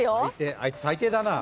あいつ最低だな。